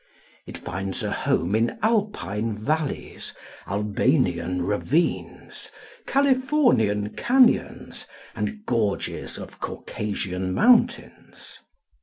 It finds a home in Alpine valleys, Albanian ravines, Californian canyons, and gorges of Caucasian mountains.